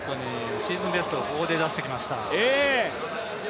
シーズンベストをここで出してきました。